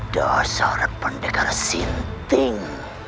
dasar pendekar sinting